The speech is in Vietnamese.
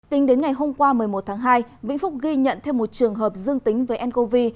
tính đến ngày hôm qua một mươi một tháng hai vĩnh phúc ghi nhận thêm một trường hợp dương tính với ncov